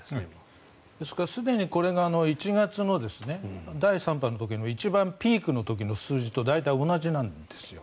すでにこれが１月の第３波の時と一番ピークの時の数字と大体同じなんですよ。